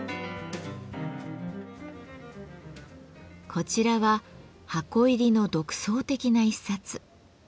こちらは箱入りの独創的な一冊。